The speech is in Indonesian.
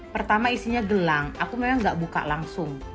pertama isinya gelang aku memang gak buka langsung